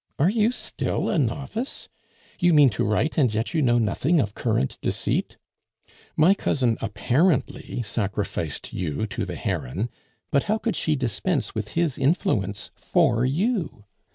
Are you still a novice? You mean to write, and yet you know nothing of current deceit? My cousin apparently sacrificed you to the Heron, but how could she dispense with his influence for you?